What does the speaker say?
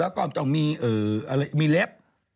แล้วก็ต้องมีเล็บ